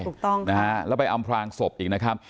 ถูกต้องนะฮะเดี๋ยวไปอำมารสท๑๙๓๐อีกนะครับ